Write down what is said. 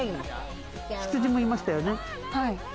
ヒツジもいましたよね。